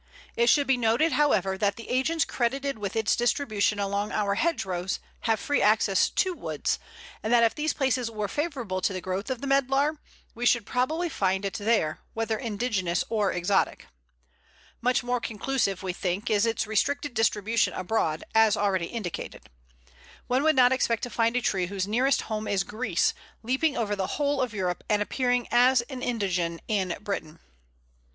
It should be noted, however, that the agents credited with its distribution along our hedgerows have free access to woods, and that if these places were favourable to the growth of the Medlar, we should probably find it there, whether indigenous or exotic. Much more conclusive, we think, is its restricted distribution abroad, as already indicated. One would not expect to find a tree whose nearest home is Greece, leaping over the whole of Europe and appearing as an indigene in Britain. [Illustration: Medlar. A, flower.